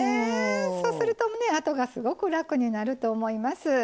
そうするとあとがすごく楽になると思います。